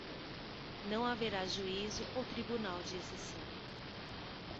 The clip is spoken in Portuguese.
não haverá juízo ou tribunal de exceção;